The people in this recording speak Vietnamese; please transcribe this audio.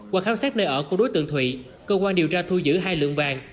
qua khám xét nơi ở của đối tượng thụy cơ quan điều tra thu giữ hai lượng vàng